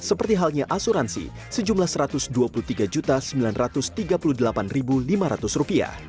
seperti halnya asuransi sejumlah rp satu ratus dua puluh tiga sembilan ratus tiga puluh delapan lima ratus